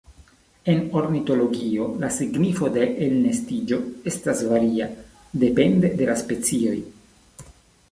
En ornitologio, la signifo de elnestiĝo estas varia, depende de la specioj.